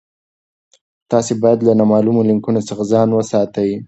تاسي باید له نامعلومو لینکونو څخه ځان وساتئ.